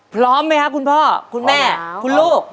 พร้อมไหมครับคุณพ่อคุณแม่คุณลูก